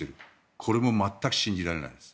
これも全く信じられないです。